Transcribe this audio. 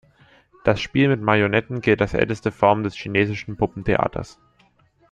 Das Spiel mit Marionetten gilt als älteste Form des chinesischen Puppentheaters.